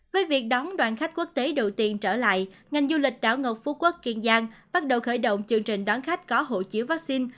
với việc đón đoàn khách quốc tế đầu tiên trở lại ngành du lịch đảo ngọc phú quốc kiên giang bắt đầu khởi động chương trình đón khách có hộ chiếu vaccine